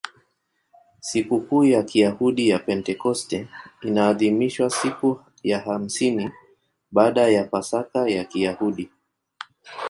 Sikukuu ya Kiyahudi ya Pentekoste inaadhimishwa siku ya hamsini baada ya Pasaka ya Kiyahudi.